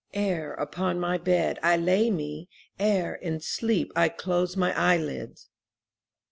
Ere upon my bed I lay me. Ere in sleep I close my eyelids!